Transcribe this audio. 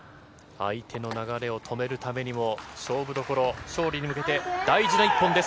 相手の流れを止めるためにも勝負どころ、勝利に向けて大事な１本です